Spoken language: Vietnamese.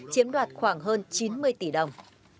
chiếm đoạt khoảng hơn chín mươi tỷ đồng